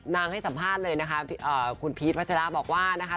ให้สัมภาษณ์เลยนะคะคุณพีชวัชราบอกว่านะคะ